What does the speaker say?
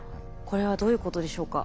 これはどういうことでしょうか？